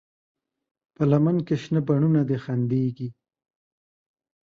په لمن کې شنه بڼوڼه دي خندېږي